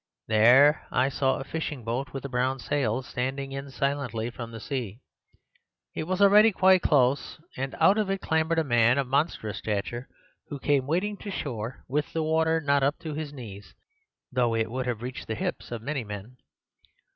There I saw a fishing boat with a brown sail standing in silently from the sea. It was already quite close, and out of it clambered a man of monstrous stature, who came wading to shore with the water not up to his knees, though it would have reached the hips of many men.